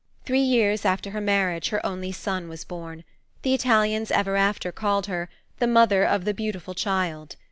Three years after her marriage her only son was born. The Italians ever after called her "the mother of the beautiful child."